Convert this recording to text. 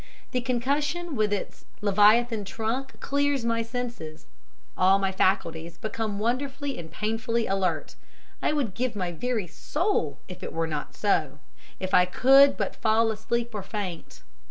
The concussion with its leviathan trunk clears my senses. All my faculties become wonderfully and painfully alert. I would give my very soul if it were not so if I could but fall asleep or faint.